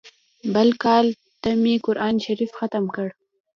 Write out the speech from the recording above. بل کال ته مې قران شريف ختم کړ.